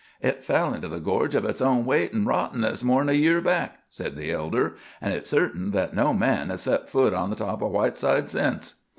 "Hit fell into the gorge of its own weight an' rottenness, more 'n a year back," said the elder, "an' hit's certain that no man has set foot on the top of Whiteside since."